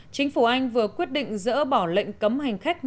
chính phủ anh vừa quyết định dỡ bỏ lệnh cấm hành khách